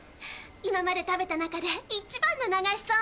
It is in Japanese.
今まで食べた中で一番の流しそうめんよ。